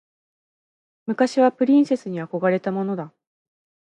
昔はプリンセスに憧れたものだ。